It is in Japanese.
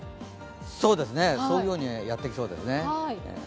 沿うようにやってきそうですね。